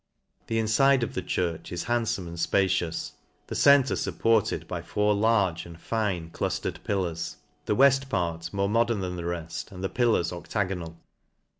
The infide of the church is handfome and fpacious ; the center fupported by four large and fine cluttered pillars; the weft part more mo dern than the reft, and the pillars o£tegonal.